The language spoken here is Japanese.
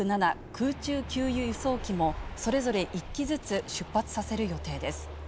空中給油・輸送機も、それぞれ１機ずつ出発させる予定です。